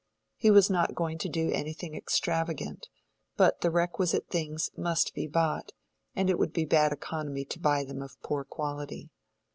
He was not going to do anything extravagant, but the requisite things must be bought, and it would be bad economy to buy them of a poor quality.